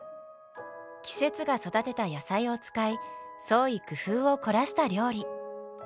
季節が育てた野菜を使い創意工夫を凝らした料理。